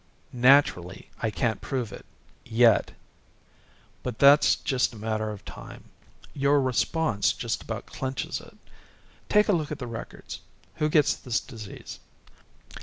Naturally, I can't prove it yet. But that's just a matter of time. Your response just about clinches it. Take a look at the records. Who gets this disease?